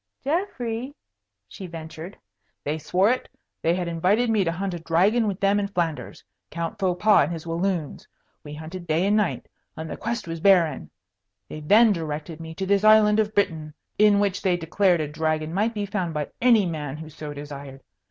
"Geoffrey " she ventured. "They swore it. They had invited me to hunt a dragon with them in Flanders, Count Faux Pas and his Walloons. We hunted day and night, and the quest was barren. They then directed me to this island of Britain, in which they declared a dragon might be found by any man who so desired.